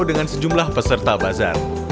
dengan sejumlah peserta bazar